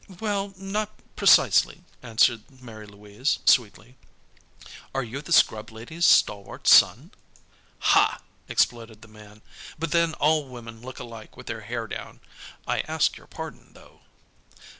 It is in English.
"Well, not precisely," answered Mary Louise, sweetly. "Are you the scrub lady's stalwart son?" "Ha!" exploded the man. "But then, all women look alike with their hair down. I ask your pardon, though."